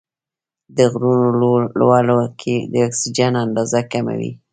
د غرونو لوړو کې د اکسیجن اندازه کمه وي.